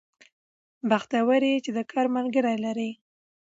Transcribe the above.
بختور يې چې د کار ملګري لرې